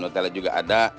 iya nutella juga ada